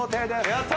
やった！